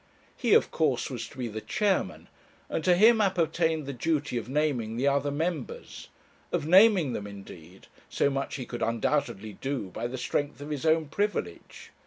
He of course was to be the chairman, and to him appertained the duty of naming the other members; of naming them indeed so much he could undoubtedly do by the strength of his own privilege.